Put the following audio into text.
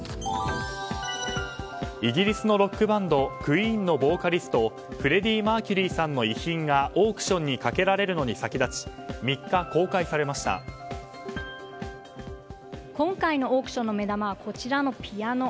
イギリスのロックバンドクイーンのボーカリストフレディ・マーキュリーさんの遺品がオークションにかけられるのに先立ち今回のオークションの目玉はこちらのピアノ。